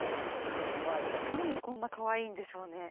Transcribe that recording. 何でこんなかわいいんでしょうね